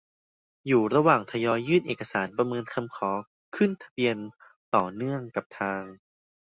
อยู่ระหว่างทยอยยื่นเอกสารประเมินคำขอขึ้นทะเบียนต่อเนื่องกับทาง